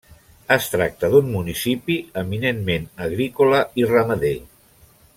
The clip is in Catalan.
Es tracta d'un municipi eminentment agrícola i ramader.